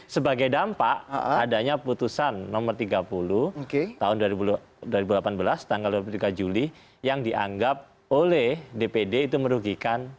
sebagai dampak adanya putusan nomor tiga puluh tahun dua ribu delapan belas tanggal dua puluh tiga juli yang dianggap oleh dpd itu merugikan